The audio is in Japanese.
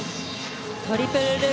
トリプルループ。